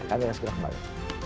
kami akan segera kembali